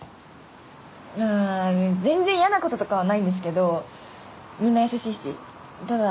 ああー全然嫌なこととかはないんですけどみんな優しいしただ